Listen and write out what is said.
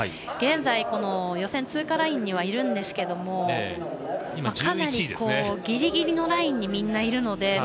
現在、予選通過ラインにはいるんですけどもかなりギリギリのラインにみんな、いるので。